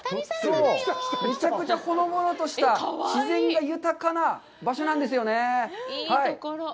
めちゃくちゃほのぼのとした自然が豊かな場所なんですよね。